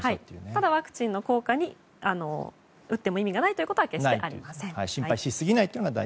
ただワクチンの効果に打っても意味がないということは決してありません。